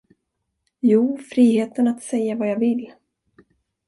Jo, friheten att säga vad jag vill.